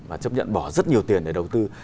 và chấp nhận bỏ rất nhiều tiền để đầu tư